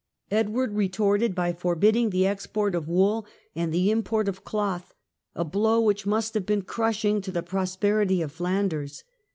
Edward retorted by forbidding the export of wool and the import of cloth, a blow which must have been crushing to the prosperity of Flanders.